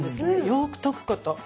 よく溶くこと。